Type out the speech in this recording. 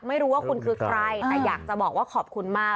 ไม่รู้ว่าคุณคือใครแต่อยากจะบอกว่าขอบคุณมาก